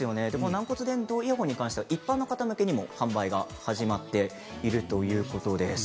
軟骨伝導イヤホンに関しては、一般の人向けにも販売が始まっているということです。